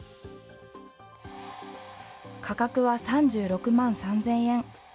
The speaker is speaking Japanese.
価格は３６万３０００円。